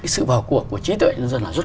sự vào cuộc của trí tuệ dần dần là rất